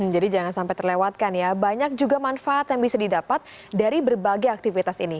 jadi jangan sampai terlewatkan ya banyak juga manfaat yang bisa didapat dari berbagai aktivitas ini